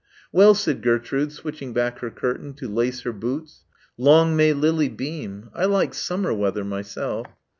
"Well," said Gertrude, switching back her curtain to lace her boots. "Long may Lily beam. I like summer weather myself."